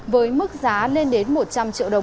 với mức giá lên đến một trăm linh triệu đồng